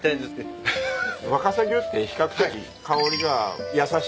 若狭牛って比較的香りが優しい。